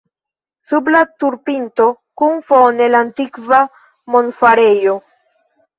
Sub la turpinto kun fone la antikva monfarejo.